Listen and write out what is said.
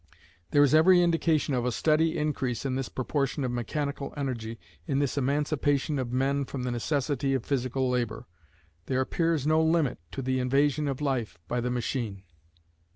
There is every indication of a steady increase in this proportion of mechanical energy, in this emancipation of men from the necessity of physical labour. There appears no limit to the invasion of life by the machine.